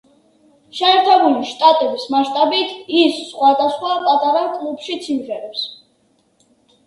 შეერთებული შტატების მასშტაბით ის სახვადასხვა პატარა კლუბშიც იმღერებს.